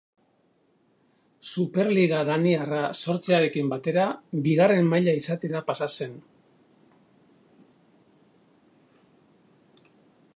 Superliga Daniarra sortzearekin batera Bigarren maila izatera pasa zen.